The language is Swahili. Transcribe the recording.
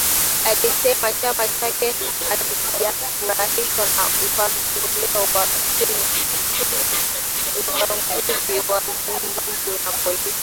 Alisema chama chake hakijafurahishwa na upendeleo wa tume ya uchaguzi ya Zimbabwe na polisi.